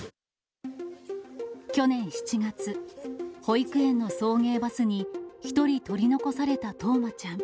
去年７月、保育園の送迎バスに１人取り残された冬生ちゃん。